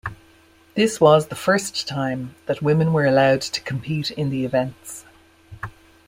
This was the first time that women were allowed to compete in the events.